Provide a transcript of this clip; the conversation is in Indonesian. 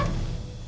mai kenapa sat